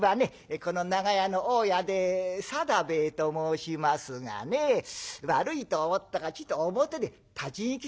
この長屋の大家で定兵衛と申しますがね悪いと思ったがちと表で立ち聞きさせてもらいましたよ。